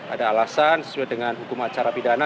ada alasan sesuai dengan hukum acara pidana